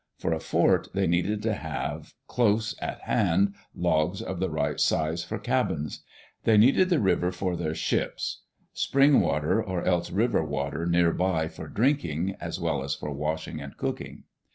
For a fort they needed to have, close at hand, logs of the right size for cabins. They needed the river for their ships, spring water or else river water near by for drinking as well as for washing and cooking.